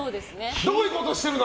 どういうことしてるの！